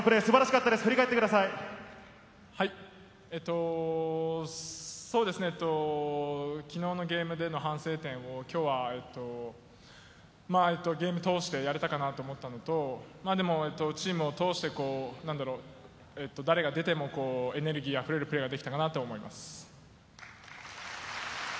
そうですね、昨日のゲームでの反省点を今日はゲームを通してやれたかなと思ったのと、チームを通して誰が出てもエネルギー溢れるプレーができたかなと思います。